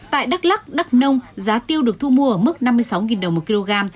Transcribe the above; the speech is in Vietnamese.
tại đắk lắc đắk nông giá tiêu được thu mua ở mức năm mươi sáu đồng một kg